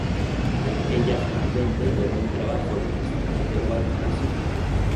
Ella finalmente toma un trabajo en el restaurante White Castle.